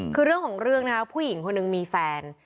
คือเรื่องของเรื่องนะครับผู้หญิงคนหนึ่งมีแฟน